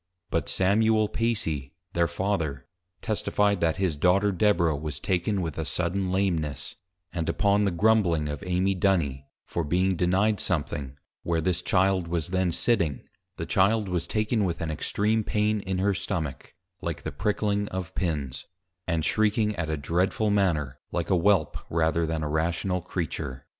But Samuel Pacy, their Father, testifi'd, that his Daughter Deborah was taken with a sudden Lameness; and upon the grumbling of Amy Duny, for being denied something, where this Child was then sitting, the Child was taken with an extream pain in her stomach, like the pricking of Pins; and shrieking at a dreadful manner, like a Whelp, rather than a Rational Creature.